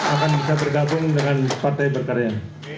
akan bisa bergabung dengan partai berkarya